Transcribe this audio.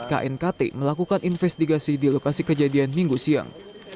knkt melakukan investigasi di lokasi kejadian minggu siang